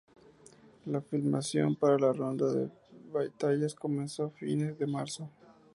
La filmación para la Ronda de Batallas comenzó a fines de marzo.